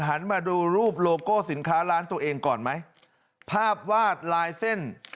หันมาดูรูปโลโก้สินค้าร้านตัวเองก่อนไหมภาพวาดลายเส้น